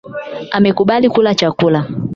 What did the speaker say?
Amekubali kula chakula